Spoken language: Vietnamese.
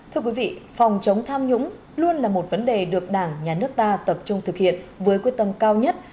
thưa quý vị phòng chống tham nhũng luôn là một vấn đề được đảng nhà nước ta tập trung thực hiện với quyết tâm cao nhất